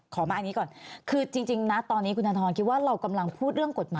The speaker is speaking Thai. มาอันนี้ก่อนคือจริงนะตอนนี้คุณธนทรคิดว่าเรากำลังพูดเรื่องกฎหมาย